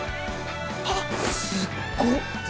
あっすっご！